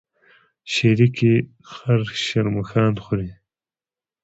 شريکي خر شرمښآن خوري.